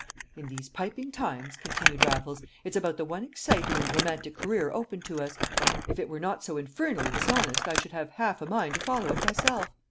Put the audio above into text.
"In these piping times," continued Raffles, "it's about the one exciting and romantic career open to us. If it were not so infernally dishonest I should have half a mind to follow it myself.